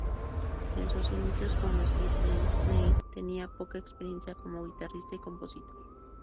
En sus inicios con Split Enz, Neil tenía poca experiencia como guitarrista y compositor.